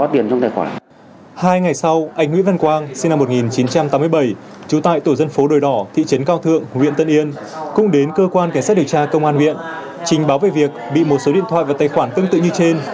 trình báo về việc bị một số điện thoại và tài khoản tương tự như trên